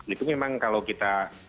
itu memang kalau kita